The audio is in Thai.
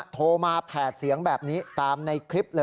โทรมาแผดเสียงแบบนี้